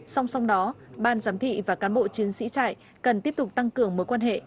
song song đó ban giám thị và cán bộ chiến sĩ trại cần tiếp tục tăng cường mối quan hệ